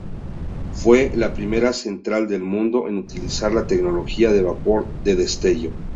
Fue la primera central del mundo en utilizar la tecnología de vapor de destello.